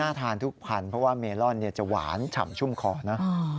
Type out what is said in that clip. ทานทุกพันเพราะว่าเมลอนจะหวานฉ่ำชุ่มคอนะ